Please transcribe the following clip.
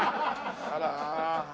あら。